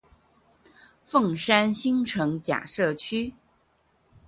鳳山新城甲社區